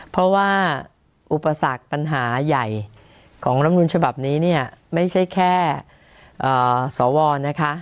เพราะว่าอุปสรรคปัญหาใหญ่ของรำนูลฉบับนี้เนี่ยไม่ใช่แค่สวนะคะ